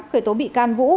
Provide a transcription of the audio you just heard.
khởi tố bị can vũ